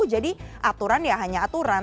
jadi aturan ya hanya aturan